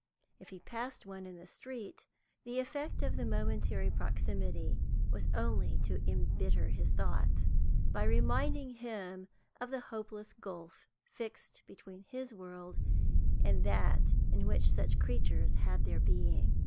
If he passed one in the street, the effect of the momentary proximity was only to embitter his thoughts, by reminding him of the hopeless gulf fixed between his world and that in which such creatures had their being.